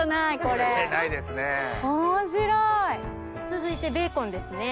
続いてベーコンですね。